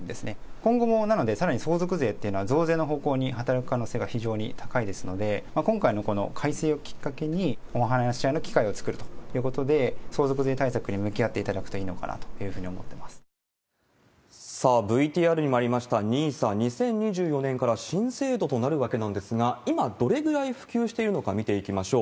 今後も、なので、相続税っていうのは増税の方向に働く可能性が非常に高いですので、今回のこの改正をきっかけにお話し合いの機会を作るということで、相続税対策に向き合ってもらうといいのかなというふうに思ってまさあ、ＶＴＲにもありましたＮＩＳＡ、２０２４年から新制度となるわけなんですが、今、どれぐらい普及しているのか、見ていきましょう。